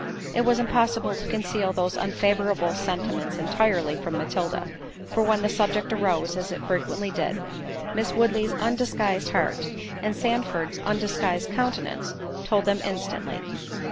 It was impossible to conceal those unfavourable sentiments entirely from Matilda; for when the subject arose, as it frequently did, Miss Woodley's undisguised heart, and Sandford's undisguised countenance, told them instantly.